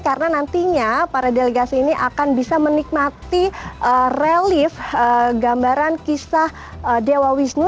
karena nantinya para delegasi ini akan bisa menikmati relief gambaran kisah dewa wisnu